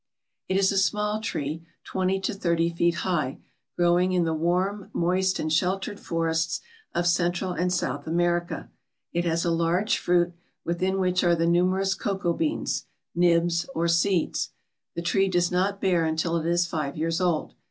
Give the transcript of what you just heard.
It is a small tree, twenty to thirty feet high, growing in the warm, moist, and sheltered forests of Central and South America. It has a large fruit, within which are the numerous cocoa beans, "nibs," or seeds. The tree does not bear until it is five years old.